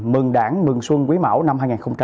mừng đảng mừng xuân quý mão năm hai nghìn hai mươi